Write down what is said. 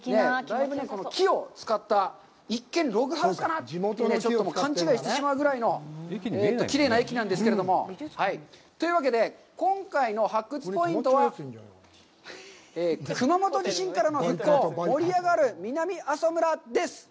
木を使った一見、ログハウスかなって勘違いしてしまうぐらいのきれいな駅なんですけれども。というわけで、今回の発掘ポイントは、「熊本地震からの復興！盛り上がる南阿蘇村」です。